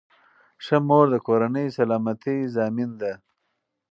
ښه مور د کورنۍ سلامتۍ ضامن ده.